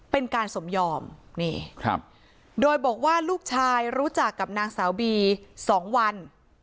เป็นการสมยอมนี่ครับโดยบอกว่าลูกชายรู้จักกับนางสาวบี๒วัน